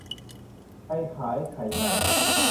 ใครขายไข่ไก่